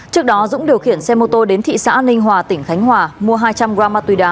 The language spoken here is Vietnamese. trước đó dũng điều khiển xe mô tô đến thị xã ninh hòa tỉnh khánh hòa mua hai trăm linh gram ma túy đá